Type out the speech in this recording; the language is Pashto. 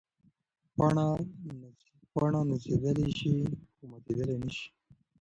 پاڼه نڅېدلی شي خو ماتېدلی نه شي.